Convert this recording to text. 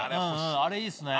あれいいですね。